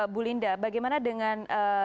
bu linda bagaimana dengan